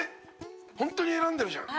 ホントに選んでるじゃん。